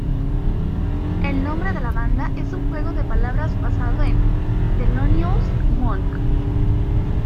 El nombre de la banda es un juego de palabras basado en Thelonious Monk.